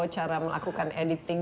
cara melakukan editing